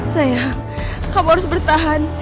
sayang kamu harus bertahan